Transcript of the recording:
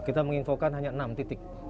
kita menginfokan hanya enam titik